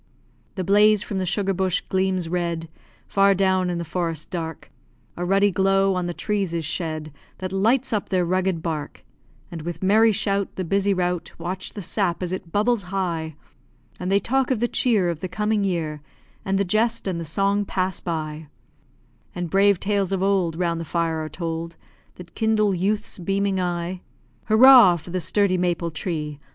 The blaze from the sugar bush gleams red; Far down in the forest dark, A ruddy glow on the trees is shed, That lights up their rugged bark; And with merry shout, The busy rout Watch the sap as it bubbles high; And they talk of the cheer Of the coming year, And the jest and the song pass by; And brave tales of old Round the fire are told, That kindle youth's beaming eye. Hurrah! For the sturdy maple tree!